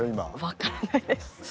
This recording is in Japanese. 分からないです。